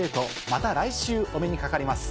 また来週お目にかかります。